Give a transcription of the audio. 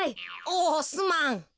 おおすまん。